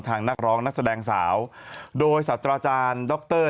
ทางนักร้องนักแสดงสาวโดยสัตวาสดัจารย์ด็อกเตอร์